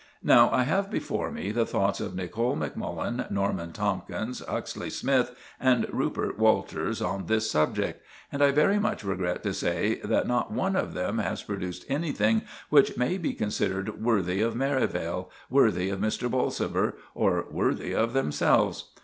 "Now, I have before me the thoughts of Nicol Macmullen, Norman Tomkins, Huxley Smythe, and Rupert Walters on this subject; and I very much regret to say that not one of them has produced anything which may be considered worthy of Merivale, worthy of Mr. Bolsover, or worthy of themselves.